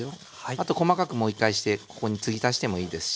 あと細かくもう一回してここに継ぎ足してもいいですし。